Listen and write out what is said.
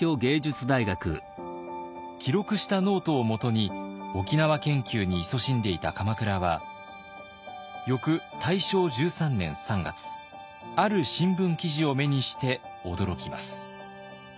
記録したノートをもとに沖縄研究にいそしんでいた鎌倉は翌大正１３年３月ある新聞記事を目にして驚きます。